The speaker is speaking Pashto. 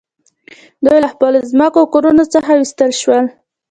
دوی له خپلو ځمکو او کورونو څخه وویستل شول